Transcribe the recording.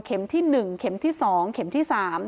ที่๑เข็มที่๒เข็มที่๓